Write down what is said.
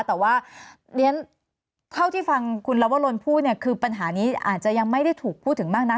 แต่ว่าเรียนเท่าที่ฟังคุณลวรนพูดเนี่ยคือปัญหานี้อาจจะยังไม่ได้ถูกพูดถึงมากนัก